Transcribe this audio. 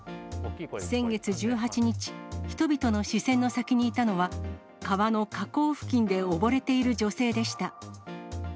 先月１８日、人々の視線の先にいたのは、川の河口付近で溺れている女性でした。